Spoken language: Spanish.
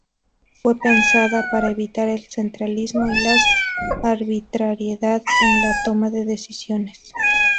Fue pensada para evitar el centralismo y las arbitrariedad en la toma de decisiones.